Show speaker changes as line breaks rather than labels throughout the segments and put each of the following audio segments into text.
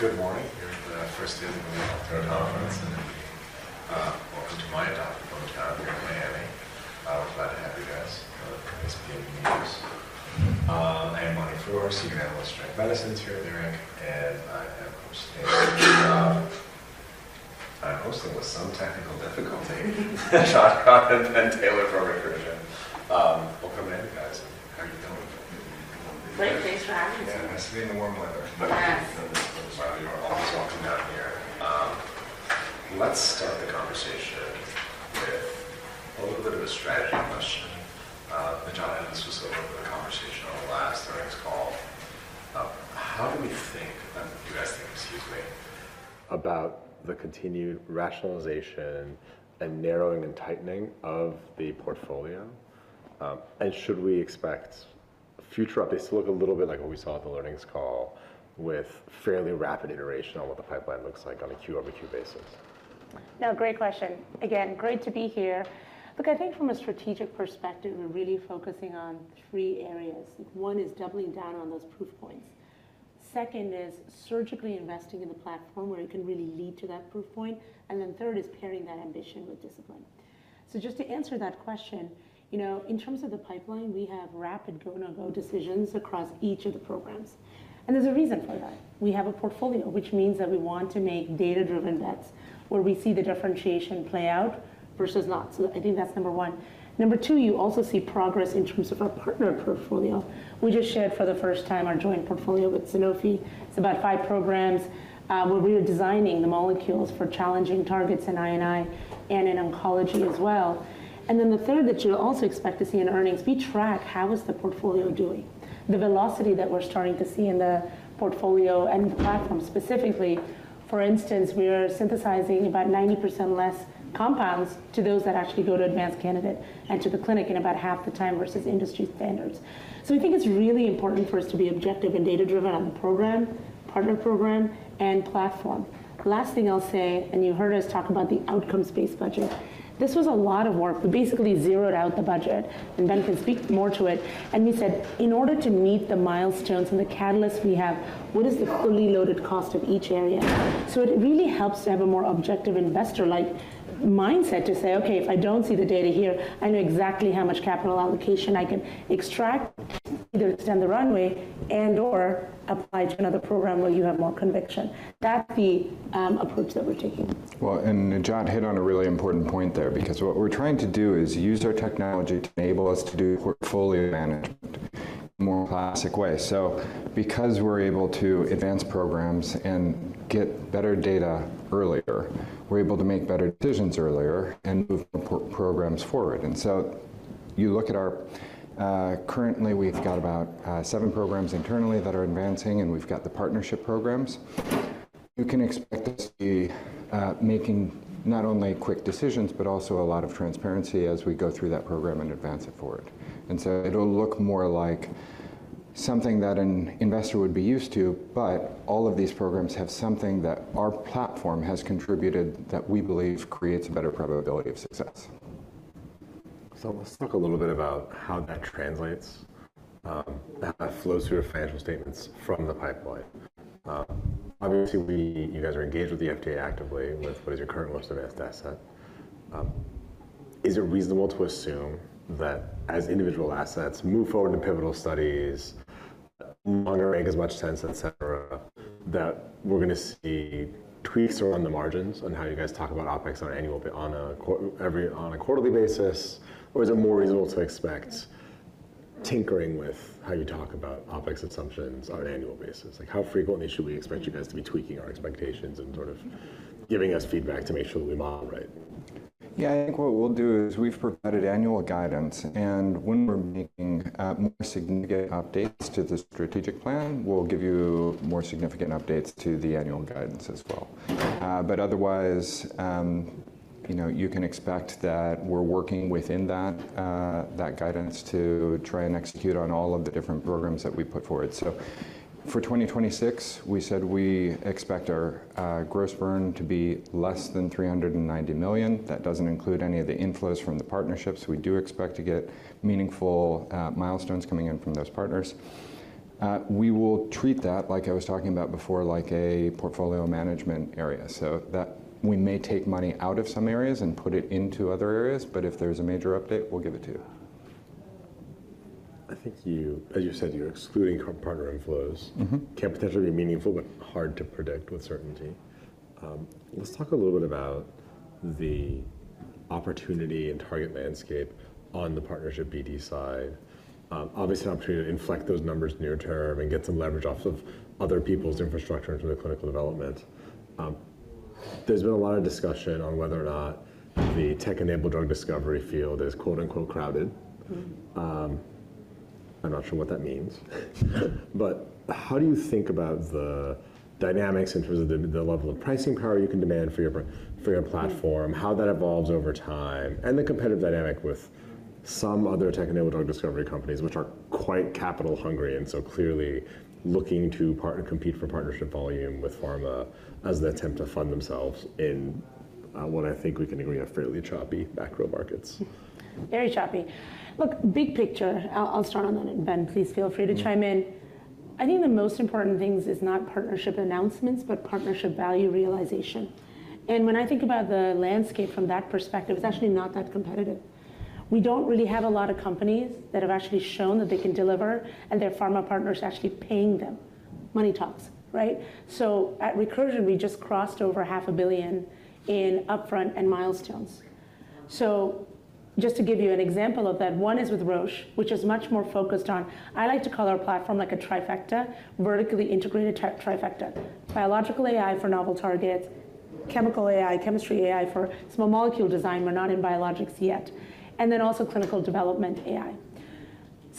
Good morning. You're at the first annual Third Conference. Welcome to my adopted hometown here in Miami. We're glad to have you guys from CSP News. I am Mani Foroohar, Senior Analyst, Genetic Medicines here at Leerink Partners. I have, of course, Taylor. I host it with some technical difficulty. Najat Khan and Ben Taylor from Recursion. Welcome in, guys. How are you doing?
Great. Thanks for having us.
Yeah. Nice to be in the warm weather.
Yes.
You are always welcome down here. Let's start the conversation with a little bit of a strategy question. That Najat had. This was a little bit of a conversation on the last earnings call. How do we think, you guys think, excuse me, about the continued rationalization and narrowing and tightening of the portfolio? Should we expect future updates to look a little bit like what we saw at the earnings call with fairly rapid iteration on what the pipeline looks like on a Q over Q basis?
No, great question. Again, great to be here. Look, I think from a strategic perspective, we're really focusing on three areas. One is doubling down on those proof points. Second is surgically investing in the platform where it can really lead to that proof point. Third is pairing that ambition with discipline. Just to answer that question, you know, in terms of the pipeline, we have rapid go-no-go decisions across each of the programs. There's a reason for that. We have a portfolio, which means that we want to make data-driven bets where we see the differentiation play out versus not. I think that's number one. Number two, you also see progress in terms of our partner portfolio. We just shared for the first time our joint portfolio with Sanofi. It's about five programs, where we are designing the molecules for challenging targets in I&I and in oncology as well. The third that you'll also expect to see in earnings, we track how is the portfolio doing. The velocity that we're starting to see in the portfolio and the platform specifically. For instance, we are synthesizing about 90% less compounds to those that actually go to advanced candidate and to the clinic in about half the time versus industry standards. I think it's really important for us to be objective and data-driven on the program, partner program, and platform. The last thing I'll say, and you heard us talk about the outcomes-based budget. This was a lot of work. We basically zeroed out the budget, and Ben can speak more to it. We said, in order to meet the milestones and the catalysts we have, what is the fully loaded cost of each area? It really helps to have a more objective investor-like mindset to say, "Okay, if I don't see the data here, I know exactly how much capital allocation I can extract either to extend the runway and/or apply to another program where you have more conviction." That's the approach that we're taking.
Najat hit on a really important point there, because what we're trying to do is use our technology to enable us to do portfolio management in a more classic way. Because we're able to advance programs and get better data earlier, we're able to make better decisions earlier and move programs forward. You look at currently, we've got about seven programs internally that are advancing, and we've got the partnership programs. You can expect us to be making not only quick decisions, but also a lot of transparency as we go through that program and advance it forward. It'll look more like something that an investor would be used to, but all of these programs have something that our platform has contributed that we believe creates a better probability of success.
Let's talk a little bit about how that translates, how that flows through our financial statements from the pipeline. Obviously, you guys are engaged with the FDA actively with what is your current most advanced asset. Is it reasonable to assume that as individual assets move forward in pivotal studies, under Reg FD, et cetera, that we're gonna see tweaks around the margins on how you guys talk about OpEx on a quarterly basis? Or is it more reasonable to expect tinkering with how you talk about OpEx assumptions on an annual basis? Like, how frequently should we expect you guys to be tweaking our expectations and sort of giving us feedback to make sure that we model right?
Yeah. I think what we'll do is we've provided annual guidance. When we're making more significant updates to the strategic plan, we'll give you more significant updates to the annual guidance as well. Otherwise, you know, you can expect that we're working within that guidance to try and execute on all of the different programs that we put forward. For 2026, we said we expect our gross burn to be less than $390 million. That doesn't include any of the inflows from the partnerships. We do expect to get meaningful milestones coming in from those partners. We will treat that, like I was talking about before, like a portfolio management area. That we may take money out of some areas and put it into other areas, but if there's a major update, we'll give it to you.
I think as you said, you're excluding partner inflows.
Mm-hmm.
Can potentially be meaningful, but hard to predict with certainty. Let's talk a little bit about the opportunity and target landscape on the partnership BD side. Obviously, I'm trying to inflect those numbers near term and get some leverage off of other people's infrastructure into the clinical development. There's been a lot of discussion on whether or not the tech-enabled drug discovery field is quote-unquote crowded. I'm not sure what that means. How do you think about the dynamics in terms of the level of pricing power you can demand for your platform, how that evolves over time, and the competitive dynamic with some other tech-enabled drug discovery companies, which are quite capital hungry, and so clearly looking to compete for partnership volume with pharma as an attempt to fund themselves inOn what I think we can agree on fairly choppy macro markets.
Very choppy. Look, big picture, I'll start on that, Ben, please feel free to chime in. I think the most important things is not partnership announcements, but partnership value realization. When I think about the landscape from that perspective, it's actually not that competitive. We don't really have a lot of companies that have actually shown that they can deliver, their pharma partner is actually paying them. Money talks, right? At Recursion, we just crossed over half a billion in upfront and milestones. Just to give you an example of that, one is with Roche, which is much more focused on,\ I like to call our platform like a trifecta, vertically integrated trifecta. Biological AI for novel targets, chemical AI, chemistry AI for small molecule design. We're not in biologics yet, also clinical development AI.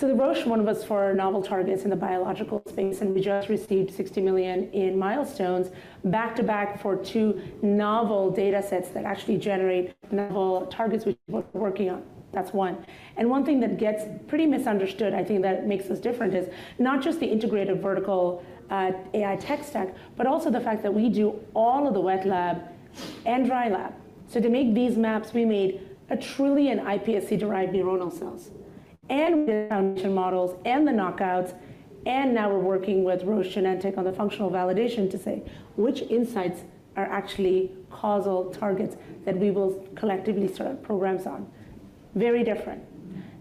The Roche one was for novel targets in the biological space, and we just received $60 million in milestones back to back for two novel data sets that actually generate novel targets which we're working on. That's one. One thing that gets pretty misunderstood, I think, that makes us different is not just the integrated vertical AI tech stack, but also the fact that we do all of the wet lab and dry lab. To make these maps, we made one trillion iPSC-derived neuronal cells and the function models and the knockouts, and now we're working with Roche Genentech on the functional validation to say which insights are actually causal targets that we will collectively start programs on. Very different.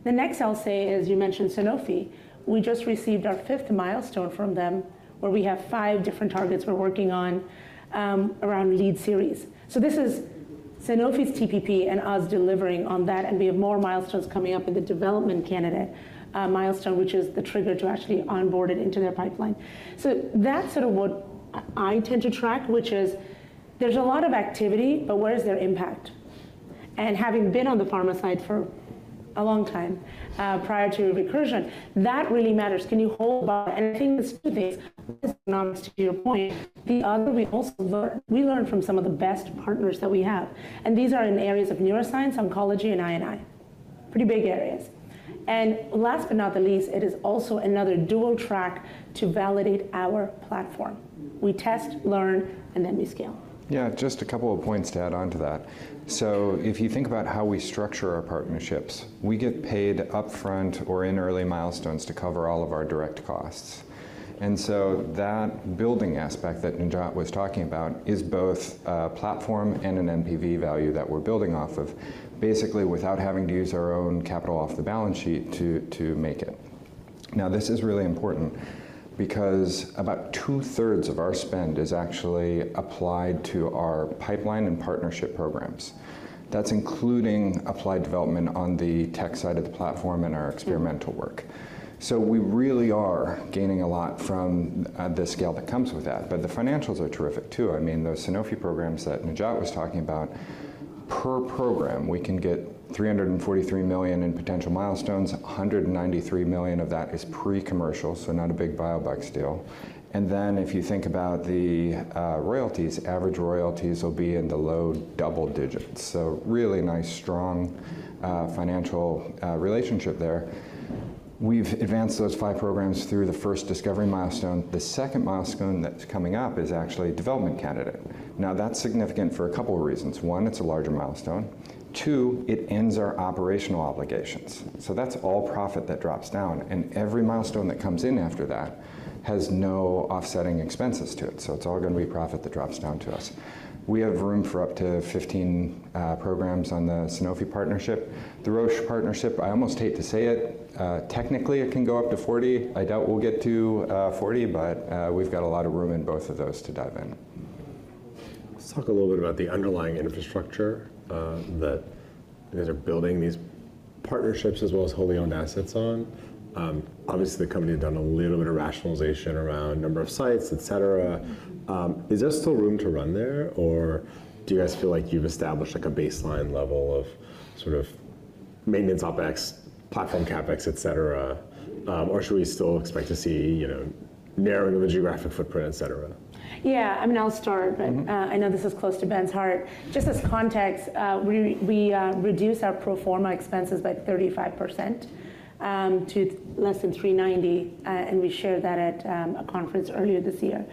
The next I'll say is you mentioned Sanofi. We just received our fifth milestone from them, where we have five different targets we're working on, around lead series. This is Sanofi's TPP and us delivering on that, and we have more milestones coming up with a development candidate milestone, which is the trigger to actually onboard it into their pipeline. That's sort of what I tend to track, which is there's a lot of activity, but where is their impact? Having been on the pharma side for a long time, prior to Recursion, that really matters. Can you hold value? I think the two things, to your point, the other we've also learned, we learn from some of the best partners that we have, and these are in areas of neuroscience, oncology, and I&I. Pretty big areas. Last but not the least, it is also another dual track to validate our platform. We test, learn, and then we scale.
Yeah. Just a couple of points to add onto that. If you think about how we structure our partnerships, we get paid upfront or in early milestones to cover all of our direct costs. That building aspect that Najat was talking about is both a platform and an NPV value that we're building off of, basically without having to use our own capital off the balance sheet to make it. This is really important because about two-thirds of our spend is actually applied to our pipeline and partnership programs. That's including applied development on the tech side of the platform and our experimental work. We really are gaining a lot from the scale that comes with that, but the financials are terrific too. I mean, those Sanofi programs that Najat was talking about, per program, we can get $343 million in potential milestones. $193 million of that is pre-commercial, not a big biobucks deal. If you think about the royalties, average royalties will be in the low double digits. Really nice, strong, financial relationship there. We've advanced those five programs through the first discovery milestone. The second milestone that's coming up is actually a development candidate. That's significant for a couple of reasons. One, it's a larger milestone. Two, it ends our operational obligations, that's all profit that drops down, and every milestone that comes in after that has no offsetting expenses to it. It's all gonna be profit that drops down to us. We have room for up to 15 programs on the Sanofi partnership. The Roche partnership, I almost hate to say it, technically it can go up to 40. I doubt we'll get to 40, but we've got a lot of room in both of those to dive in.
Let's talk a little bit about the underlying infrastructure, that you guys are building these partnerships as well as wholly owned assets on. Obviously, the company had done a little bit of rationalization around number of sites, et cetera. Is there still room to run there, or do you guys feel like you've established like a baseline level of sort of maintenance OpEx, platform CapEx, et cetera? Should we still expect to see, you know, narrowing of the geographic footprint, et cetera?
Yeah, I mean, I'll start, but, I know this is close to Ben's heart. Just as context, we reduced our pro forma expenses by 35%, to less than $390, and we shared that at a conference earlier this year.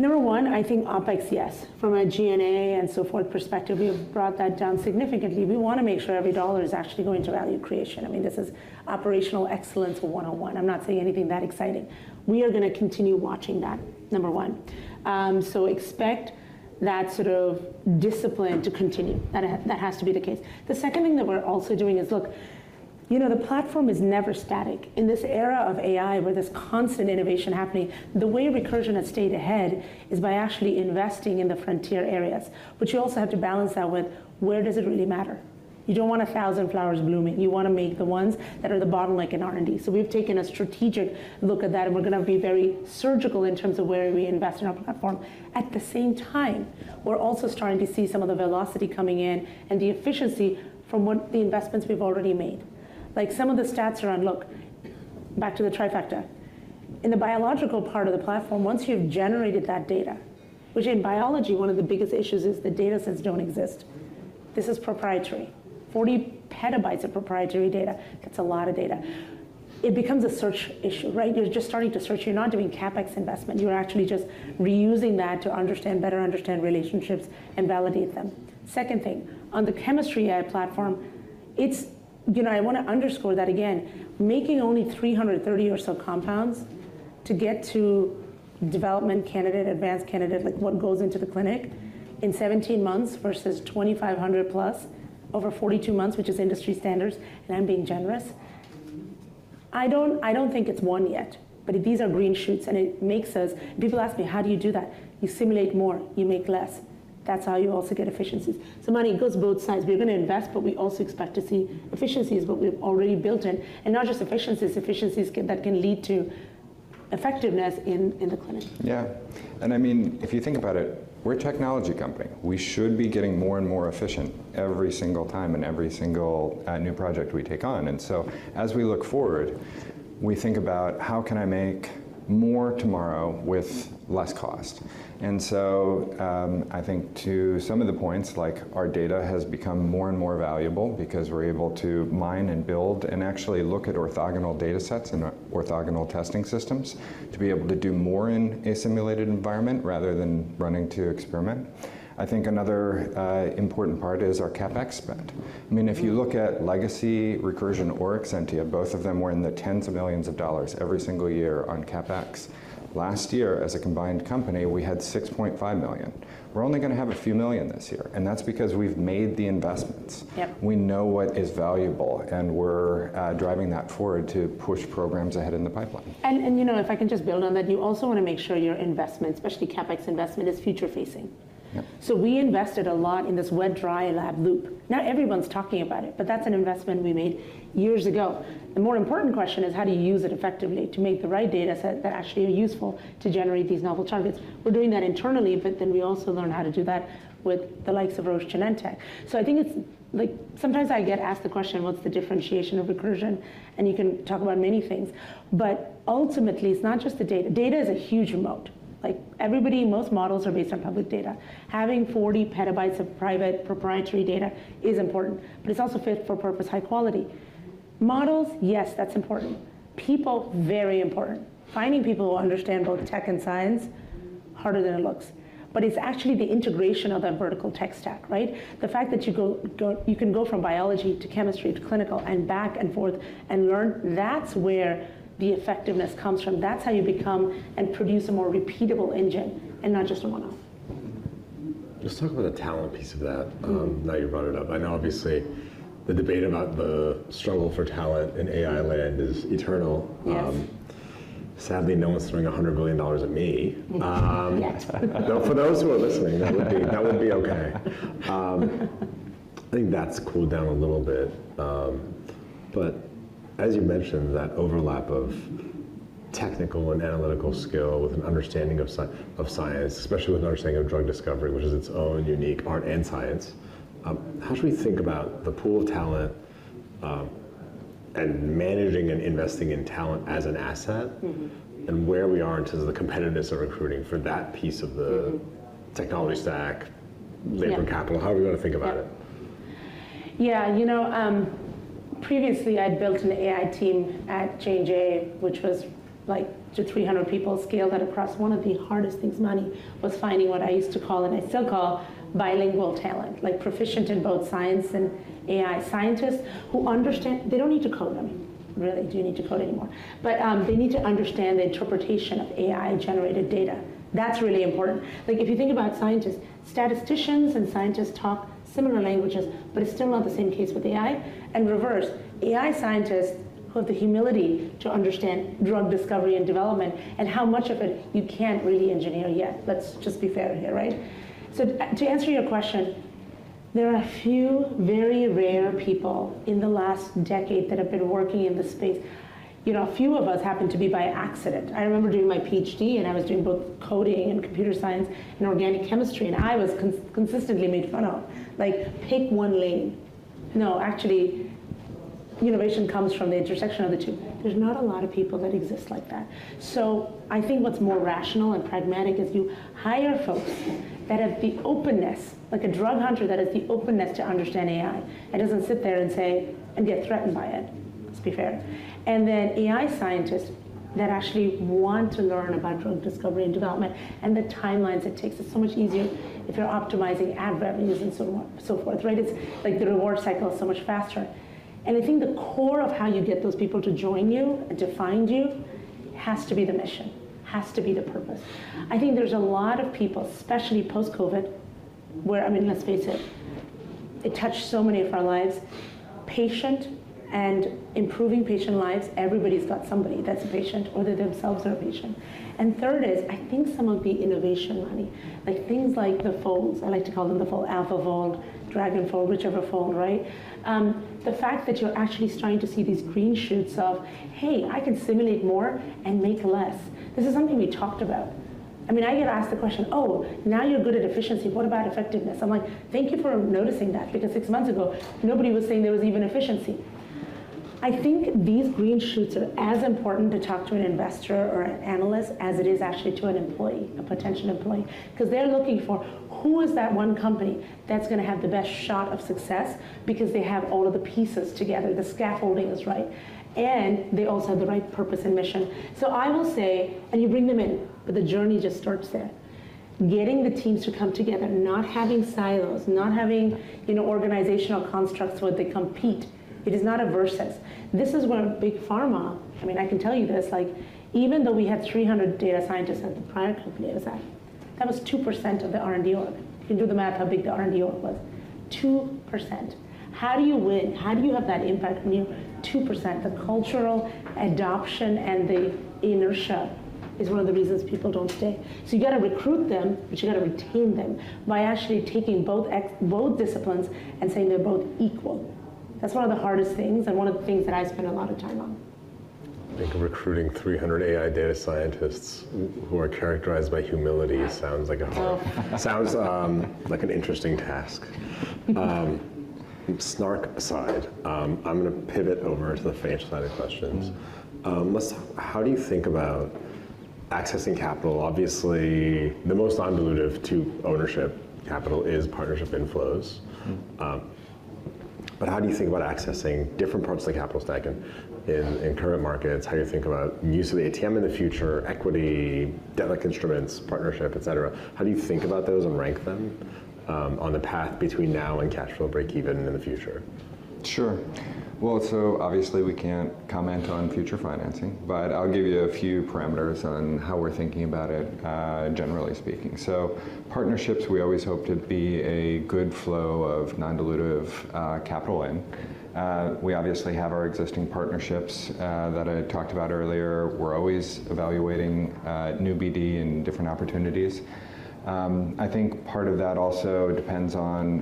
Number one, I think OpEx, yes. From a G&A and so forth perspective, we have brought that down significantly. We wanna make sure every dollar is actually going to value creation. I mean, this is operational excellence one on one. I'm not saying anything that exciting. We are gonna continue watching that, number one. Expect that sort of discipline to continue. That has to be the case. The second thing that we're also doing is, look, you know, the platform is never static. In this era of AI, where there's constant innovation happening, the way Recursion has stayed ahead is by actually investing in the frontier areas. You also have to balance that with, where does it really matter? You don't want a 1,000 flowers blooming. You wanna make the ones that are the bottleneck in R&D. We've taken a strategic look at that, and we're gonna be very surgical in terms of where we invest in our platform. The same time, we're also starting to see some of the velocity coming in and the efficiency from what the investments we've already made. Like, some of the stats around. Look back to the trifecta. In the biological part of the platform, once you've generated that data, which in biology, one of the biggest issues is the data sets don't exist. This is proprietary. 40 PB of proprietary data. That's a lot of data. It becomes a search issue, right? You're just starting to search. You're not doing CapEx investment. You're actually just reusing that to understand, better understand relationships and validate them. Second thing, on the chemistry AI platform, You know, I wanna underscore that again, making only 330 or so compounds to get to development candidate, advanced candidate, like, what goes into the clinic in 17 months versus 2,500+ over 42 months, which is industry standards, and I'm being generous. I don't think it's one yet. These are green shoots. People ask me, "How do you do that?" You simulate more, you make less. That's how you also get efficiencies. Money goes both sides. We're gonna invest, but we also expect to see efficiency is what we've already built in. Not just efficiencies, that can lead to effectiveness in the clinic.
Yeah. I mean, if you think about it, we're a technology company. We should be getting more and more efficient every single time in every single new project we take on. As we look forward, we think about how can I make more tomorrow with less cost. I think to some of the points, like our data has become more and more valuable because we're able to mine and build and actually look at orthogonal data sets and orthogonal testing systems to be able to do more in a simulated environment rather than running to experiment. I think another important part is our CapEx spend. I mean, if you look at Legacy, Recursion, or Exscientia, both of them were in the tens of millions of dollars every single year on CapEx. Last year, as a combined company, we had $6.5 million. We're only gonna have a few million this year, and that's because we've made the investments.
Yep.
We know what is valuable, and we're driving that forward to push programs ahead in the pipeline.
You know, if I can just build on that, you also wanna make sure your investment, especially CapEx investment, is future-facing.
Yep.
We invested a lot in this wet/dry lab loop. Not everyone's talking about it, that's an investment we made years ago. The more important question is how do you use it effectively to make the right dataset that actually are useful to generate these novel targets? We're doing that internally, we also learn how to do that with the likes of Roche Genentech. I think like, sometimes I get asked the question, "What's the differentiation of Recursion?" You can talk about many things, ultimately, it's not just the data. Data is a huge moat. Like, everybody, most models are based on public data. Having 40 PB of private proprietary data is important, it's also fit for purpose, high quality. Models, yes, that's important. People, very important. Finding people who understand both tech and science, harder than it looks. It's actually the integration of that vertical tech stack, right? The fact that you can go from biology to chemistry to clinical and back and forth and learn, that's where the effectiveness comes from. That's how you become and produce a more repeatable engine and not just a one-off.
Let's talk about the talent piece of that.
Mm-hmm.
Now you brought it up. I know obviously the debate about the struggle for talent in AI land is eternal.
Yes.
Sadly, no one's throwing $100 million at me.
Yet.
For those who are listening, that would be okay. I think that's cooled down a little bit. As you mentioned, that overlap of technical and analytical skill with an understanding of science, especially with an understanding of drug discovery, which is its own unique art and science, how should we think about the pool of talent, and managing and investing in talent as an asset?
Mm-hmm.
where we are in terms of the competitiveness of recruiting for that piece of the.
Mm-hmm.
technology stack, labor capital?
Yep.
How are we gonna think about it?
Yeah, you know, previously, I'd built an AI team at J&J, which was, like, to 300 people scale that across. One of the hardest things, Manny, was finding what I used to call and I still call bilingual talent, like, proficient in both science and AI. Scientists who understand. They don't need to code anymore, really. Do you need to code anymore? They need to understand the interpretation of AI-generated data. That's really important. Like, if you think about scientists, statisticians and scientists talk similar languages, but it's still not the same case with AI. Reverse, AI scientists who have the humility to understand drug discovery and development and how much of it you can't really engineer yet. Let's just be fair here, right? To answer your question, there are a few very rare people in the last decade that have been working in this space. You know, a few of us happen to be by accident. I remember doing my PhD, and I was doing both coding and computer science and organic chemistry, and I was consistently made fun of. Like, pick one lane. No, actually, innovation comes from the intersection of the two. There's not a lot of people that exist like that. I think what's more rational and pragmatic is you hire folks that have the openness, like a drug hunter, that has the openness to understand AI and doesn't sit there and get threatened by it. Let's be fair. AI scientists that actually want to learn about drug discovery and development and the timelines it takes. It's so much easier if you're optimizing ad revenues and so on and so forth, right? It's, like, the reward cycle is so much faster. I think the core of how you get those people to join you and to find you has to be the mission, has to be the purpose. I think there's a lot of people, especially post-COVID, where, I mean, let's face it touched so many of our lives. Patient and improving patient lives, everybody's got somebody that's a patient, or they themselves are a patient. Third is I think some of the innovation, Manny, like things like the folds. I like to call them the fold, AlphaFold, dragon fold, whichever fold, right? The fact that you're actually starting to see these green shoots of, hey, I can simulate more and make less. This is something we talked about. I mean, I get asked the question, "Oh, now you're good at efficiency. What about effectiveness?" I'm like, "Thank you for noticing that, because six months ago, nobody was saying there was even efficiency." I think these green shoots are as important to talk to an investor or an analyst as it is actually to an employee, a potential employee, 'cause they're looking for who is that one company that's gonna have the best shot of success. Because they have all of the pieces together, the scaffolding is right, and they also have the right purpose and mission. I will say, and you bring them in, but the journey just starts there. Getting the teams to come together, not having silos, not having, you know, organizational constructs where they compete. It is not a versus. This is where big pharma, I mean, I can tell you this, like, even though we had 300 data scientists at the prior company, it was, that was 2% of the R&D org. You can do the math how big the R&D org was. 2%. How do you win? How do you have that impact when you're 2%? The cultural adoption and the inertia is one of the reasons people don't stay. You gotta recruit them, but you gotta retain them by actually taking both disciplines and saying they're both equal. That's one of the hardest things and one of the things that I spend a lot of time on.
I think recruiting 300 AI data scientists who are characterized by humility Sounds like an interesting task. snark aside, I'm gonna pivot over to the financial side of questions. How do you think about accessing capital? Obviously, the most undilutive to ownership capital is partnership inflows.
Mm.
How do you think about accessing different parts of the capital stack in, in current markets? How do you think about use of the ATM in the future, equity, debit instruments, partnership, et cetera? How do you think about those and rank them on the path between now and cash flow break even in the future?
Sure. Well, obviously we can't comment on future financing, but I'll give you a few parameters on how we're thinking about it, generally speaking. Partnerships, we always hope to be a good flow of non-dilutive, capital in. We obviously have our existing partnerships, that I talked about earlier. We're always evaluating, new BD and different opportunities. I think part of that also depends on,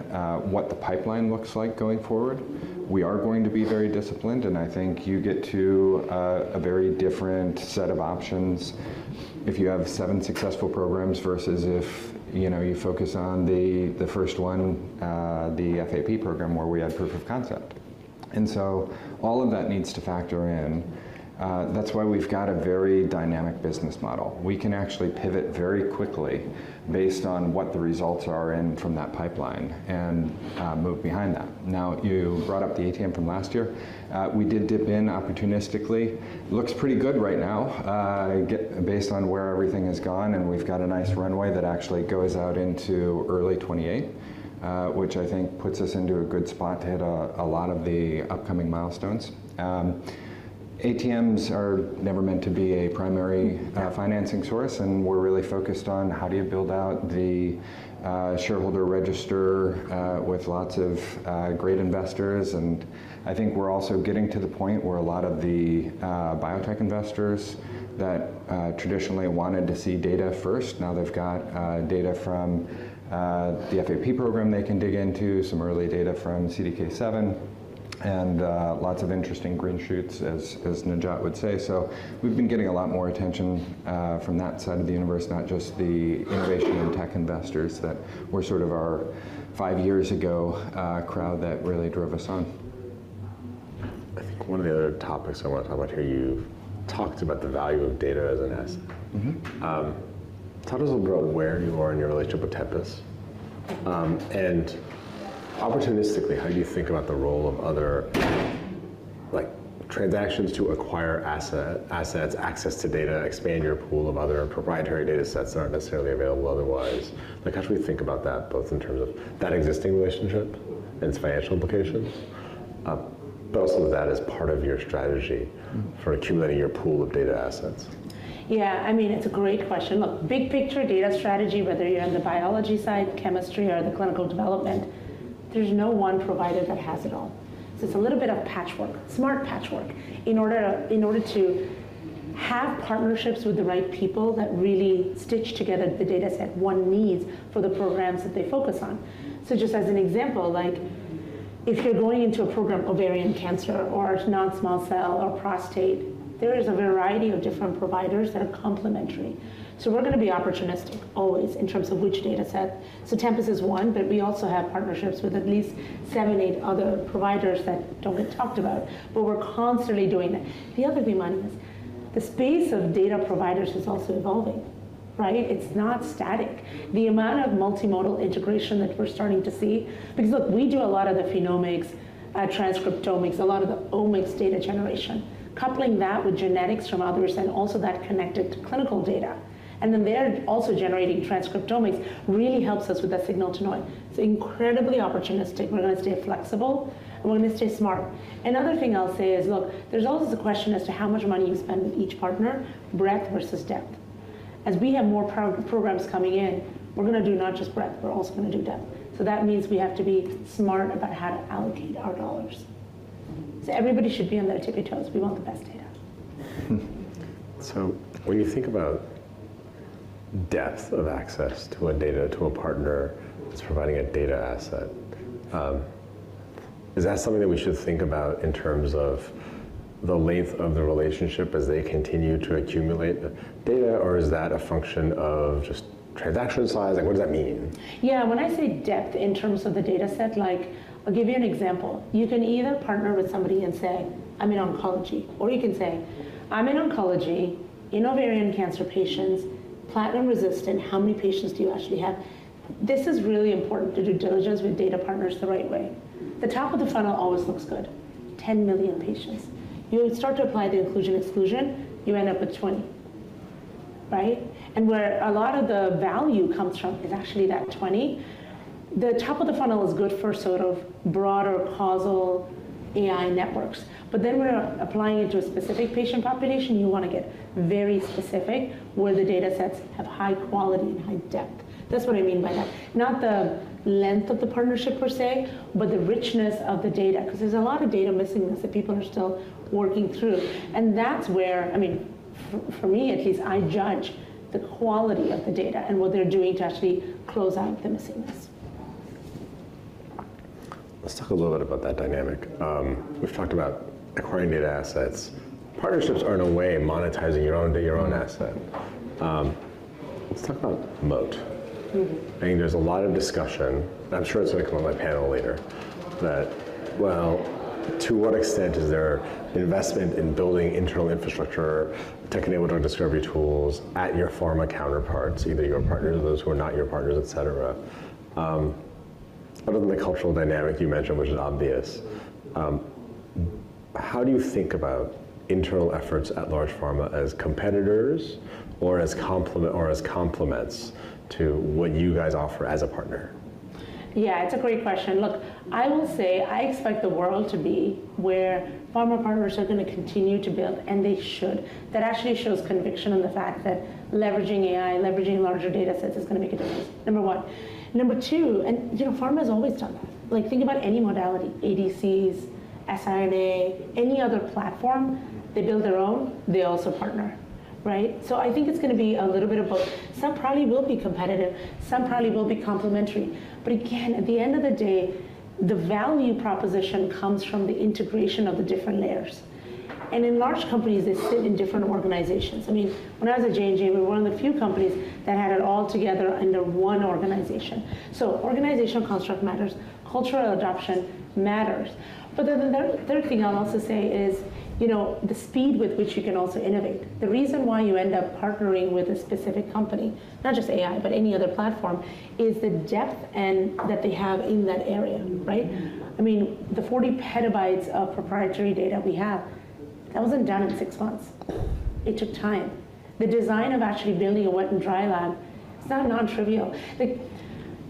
what the pipeline looks like going forward. We are going to be very disciplined, and I think you get to, a very different set of options if you have seven successful programs versus if, you know, you focus on the first one, the FAP program where we had proof of concept. All of that needs to factor in. That's why we've got a very dynamic business model. We can actually pivot very quickly based on what the results are in from that pipeline and move behind that. Now, you brought up the ATM from last year. We did dip in opportunistically. Looks pretty good right now, based on where everything has gone, and we've got a nice runway that actually goes out into early 2028, which I think puts us into a good spot to hit a lot of the upcoming milestones. ATMs are never meant to be a primary-
Yeah...
financing source, and we're really focused on how do you build out the shareholder register with lots of great investors. I think we're also getting to the point where a lot of the biotech investors that traditionally wanted to see data first, now they've got data from the FAP program they can dig into, some early data from CDK7, and lots of interesting green shoots as Najat would say. We've been getting a lot more attention from that side of the universe, not just the innovation and tech investors that were sort of our five years ago crowd that really drove us on.
I think one of the other topics I wanna talk about here, you've talked about the value of data as an asset.
Mm-hmm.
Talk to us a little bit about where you are in your relationship with Tempus. Opportunistically, how do you think about the role of other, like, transactions to acquire assets, access to data, expand your pool of other proprietary data sets that aren't necessarily available otherwise? How should we think about that, both in terms of that existing relationship and its financial implications, but also that as part of your strategy for accumulating your pool of data assets?
Yeah, I mean, it's a great question. Look, big picture data strategy, whether you're on the biology side, chemistry, or the clinical development, there's no one provider that has it all. It's a little bit of patchwork, smart patchwork, in order to have partnerships with the right people that really stitch together the data set one needs for the programs that they focus on. Just as an example, like if you're going into a program, ovarian cancer or non-small cell or prostate, there is a variety of different providers that are complementary. We're gonna be opportunistic always in terms of which data set. Tempus is one, but we also have partnerships with at least seven, eight other providers that don't get talked about, but we're constantly doing that. The other thing, one, is the space of data providers is also evolving, right? It's not static. The amount of multimodal integration that we're starting to see, because look, we do a lot of the phenomics, transcriptomics, a lot of the omics data generation. Coupling that with genetics from others and also that connected to clinical data, they're also generating transcriptomics really helps us with that signal to noise. It's incredibly opportunistic. We're gonna stay flexible, and we're gonna stay smart. Another thing I'll say is, look, there's always a question as to how much money you spend with each partner, breadth versus depth. As we have more programs coming in, we're gonna do not just breadth, we're also gonna do depth. That means we have to be smart about how to allocate our dollars. Everybody should be on their tippy-toes. We want the best data.
When you think about depth of access to a partner that's providing a data asset, is that something that we should think about in terms of the length of the relationship as they continue to accumulate the data, or is that a function of just transaction size? Like, what does that mean?
Yeah. When I say depth in terms of the data set, like, I'll give you an example. You can either partner with somebody and say, "I'm in oncology," or you can say, "I'm in oncology, in ovarian cancer patients, platinum-resistant, how many patients do you actually have?" This is really important, due diligence with data partners the right way. The top of the funnel always looks good. 10 million patients. You start to apply the inclusion, exclusion, you end up with 20. Right? Where a lot of the value comes from is actually that 20. The top of the funnel is good for sort of broader causal AI networks, but then when we're applying it to a specific patient population, you wanna get very specific where the datasets have high quality and high depth. That's what I mean by that. Not the length of the partnership per se, but the richness of the data, cause there's a lot of data messiness that people are still working through, and that's where, I mean, for me at least, I judge the quality of the data and what they're doing to actually close out the messiness.
Let's talk a little bit about that dynamic. We've talked about acquiring data assets. Partnerships are, in a way, monetizing your own asset. Let's talk about moat.
Mm-hmm.
I think there's a lot of discussion, and I'm sure it's gonna come up in the panel later, that well, to what extent is there investment in building internal infrastructure to enable drug discovery tools at your pharma counterparts, either your partners or those who are not your partners, et cetera. Other than the cultural dynamic you mentioned, which is obvious, how do you think about internal efforts at large pharma as competitors or as complements to what you guys offer as a partner?
Yeah, it's a great question. Look, I will say, I expect the world to be where pharma partners are gonna continue to build, and they should. That actually shows conviction in the fact that leveraging AI, leveraging larger datasets is gonna make a difference, number one. Number two, you know, pharma's always done that. Like, think about any modality, ADCs, siRNA, any other platform. They build their own, they also partner, right? I think it's gonna be a little bit of both. Some probably will be competitive, some probably will be complementary. Again, at the end of the day, the value proposition comes from the integration of the different layers. In large companies, they sit in different organizations. I mean, when I was at J&J, we were one of the few companies that had it all together under one organization. Organizational construct matters, cultural adoption matters. Then the third thing I'll also say is, you know, the speed with which you can also innovate. The reason why you end up partnering with a specific company, not just AI, but any other platform, is the depth and that they have in that area, right? I mean, the 40 PB of proprietary data we have, that wasn't done in six months. It took time. The design of actually building a wet and dry lab, it's not non-trivial. Like,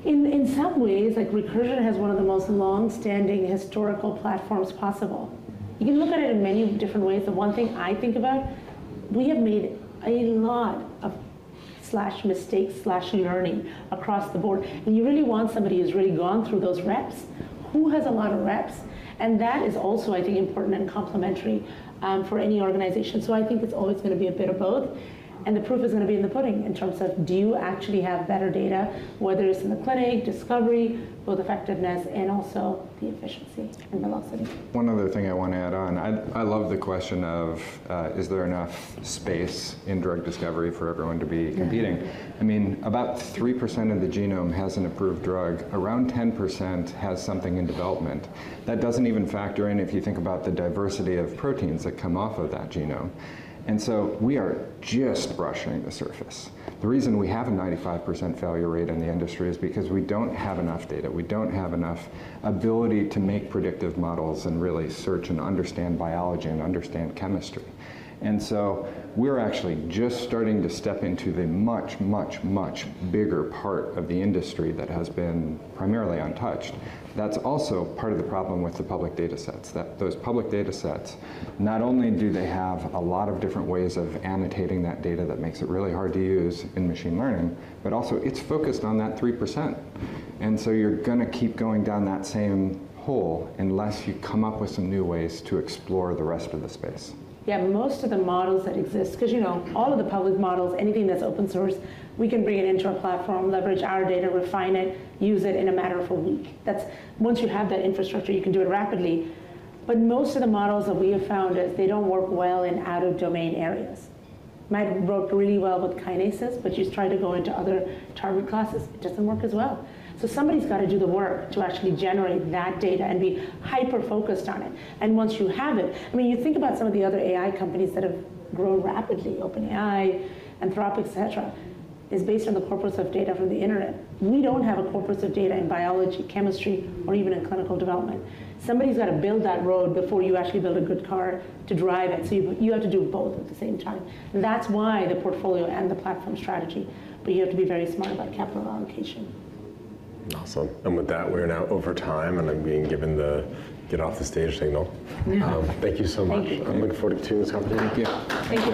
in some ways, like Recursion has one of the most longstanding historical platforms possible. You can look at it in many different ways, but one thing I think about, we have made a lot of slash mistakes, slash learning across the board. You really want somebody who's really gone through those reps, who has a lot of reps, and that is also, I think, important and complementary, for any organization. I think it's always gonna be a bit of both, and the proof is gonna be in the pudding in terms of do you actually have better data, whether it's in the clinic, discovery, both effectiveness and also the efficiency and velocity.
One other thing I wanna add on. I love the question of, is there enough space in drug discovery for everyone to be competing.
Yeah.
I mean, about 3% of the genome has an approved drug. Around 10% has something in development. That doesn't even factor in if you think about the diversity of proteins that come off of that genome. We are just brushing the surface. The reason we have a 95% failure rate in the industry is because we don't have enough data. We don't have enough ability to make predictive models and really search and understand biology and understand chemistry. We're actually just starting to step into the much, much, much bigger part of the industry that has been primarily untouched. That's also part of the problem with the public datasets, that those public datasets, not only do they have a lot of different ways of annotating that data that makes it really hard to use in machine learning, but also it's focused on that 3%. You're gonna keep going down that same hole unless you come up with some new ways to explore the rest of the space.
Most of the models that exist, 'cause you know, all of the public models, anything that's open source, we can bring it into our platform, leverage our data, refine it, use it in a matter of a week. Once you have that infrastructure, you can do it rapidly. Most of the models that we have found is they don't work well in out of domain areas. Might work really well with kinases, but you try to go into other target classes, it doesn't work as well. Somebody's gotta do the work to actually generate that data and be hyper-focused on it. Once you have it, I mean, you think about some of the other AI companies that have grown rapidly, OpenAI, Anthropic, et cetera, is based on the corpus of data from the internet. We don't have a corpus of data in biology, chemistry, or even in clinical development. Somebody's gotta build that road before you actually build a good car to drive it. You have to do both at the same time. That's why the portfolio and the platform strategy, but you have to be very smart about capital allocation.
Awesome. With that, we're now over time, and I'm being given the get off the stage signal. Thank you so much.
Thank you.
I look forward to continuing this conversation.
Thank you.
Thank you.